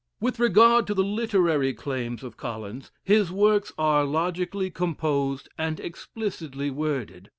With regard to the literary claims of Collins. His works are logically composed and explicitly worded.